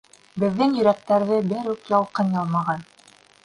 Беҙҙең йөрәктәрҙе бер үк ялҡын ялмаған.